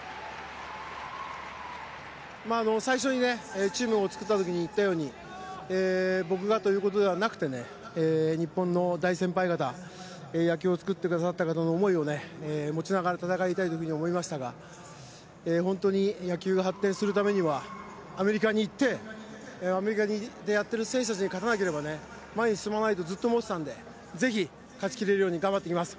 最初にチームを作った時に言ったように僕がということではなくて日本の大先輩方野球を作ってくださった方々の思いを持ちながら戦いたいというふうに思いましたが本当に野球が発展するためにはアメリカに行ってアメリカでやってる選手たちに勝たなければ、前に進めないとずっと思っていたのでぜひ、勝ち切れるように頑張ってきます。